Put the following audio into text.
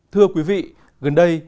thưa quý vị gần đây